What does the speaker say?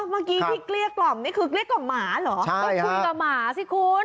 พี่กลี๊กกล่อมนี่คือกลี๊กกับหมาเหรอต้องคุยกับหมาสิคุณ